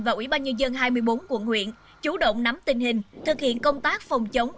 và ủy ban nhân dân hai mươi bốn quận huyện chủ động nắm tình hình thực hiện công tác phòng chống